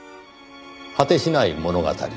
『はてしない物語』